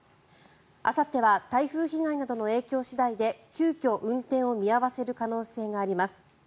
あさっては台風被害などの影響次第で急きょ運転を見合わせる可能性があります。